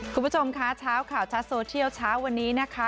คุณผู้ชมคะเช้าข่าวชัดโซเชียลเช้าวันนี้นะคะ